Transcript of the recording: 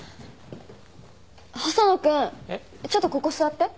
細野君ちょっとここ座って。